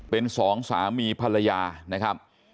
เป็นสองสามีภรรยานะครับ